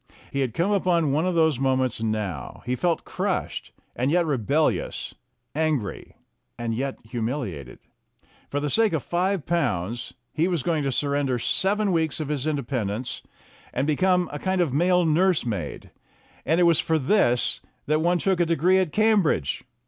He had come upon one of those moments now; he felt crushed, and yet re bellious; angry, and yet humiliated. For the sake of five pounds he was going to surrender seven weeks of his independence, and become a kind of male nurse maid. And it was for this that one took a degree at Cambridge!